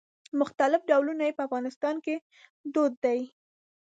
مختلف ډولونه یې په افغانستان کې دود دي.